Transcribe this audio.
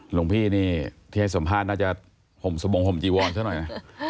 หลวงพี่ที่ให้สัมภาษณ์น่าจะห่มสโมงห่มจีวรเท่าไรนะ